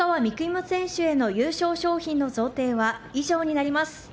夢選手への優勝賞品の贈呈は以上になります。